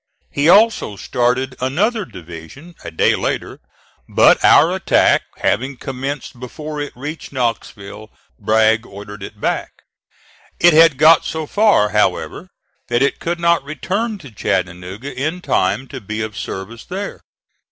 He also started another division a day later, but our attack having commenced before it reached Knoxville Bragg ordered it back. It had got so far, however, that it could not return to Chattanooga in time to be of service there.